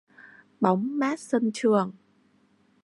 Bóng mát sân trường